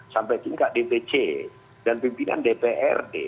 sampai tingkat dpc dan pimpinan dprd